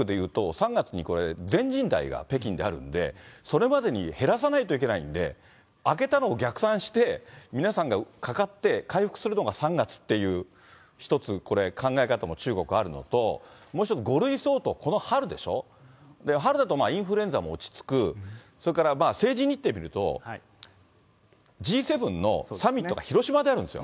３月にこれ、全人代が北京であるので、それまでに減らさないといけないんで、あけたのを逆算して、皆さんがかかって回復するのが３月っていう、１つこれ、考え方も、中国あるのと、もう１つ、５類相当、この春でしょ、春だとインフルエンザも落ち着く、それから政治日程見ると、Ｇ７のサミットが広島であるんですよ。